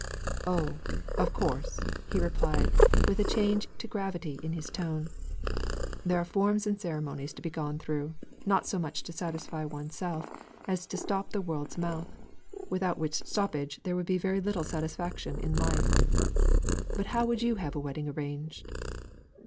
"Oh, of course," he replied with a change to gravity in his tone. "There are forms and ceremonies to be gone through, not so much to satisfy oneself, as to stop the world's mouth, without which stoppage there would be very little satisfaction in life. But how would you have a wedding arranged?"